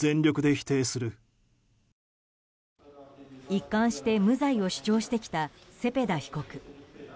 一貫して無罪を主張してきたセペダ被告。